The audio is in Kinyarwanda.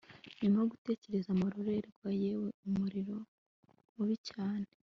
Nyuma yo gutegereza amarorerwa yewe umuriro mubi cyane